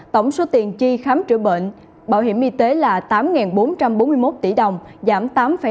tổng số tiền chi khám chữa bệnh bảo hiểm y tế là tám bốn trăm bốn mươi một tỷ đồng giảm tám ba